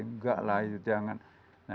enggak lah itu jangan